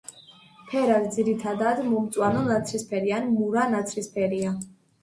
ფერად ძირითადად მომწვანო ნაცრისფერი ან მურა ნაცრისფერია.